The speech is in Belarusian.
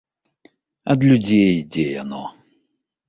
Ад людзей ідзе яно.